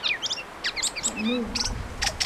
节目所涉及的并不仅限于军事。